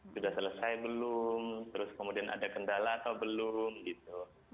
sudah selesai belum terus kemudian ada kendala atau belum gitu